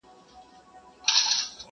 نوم به دي نه وو په غزل کي مي راتللې اشنا٫